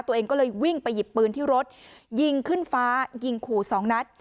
ตัวเองก็เลยวิ่งไปหยิบปืนที่รถยิงขึ้นฟ้ายิงขู่สองนัด